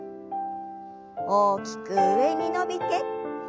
大きく上に伸びて。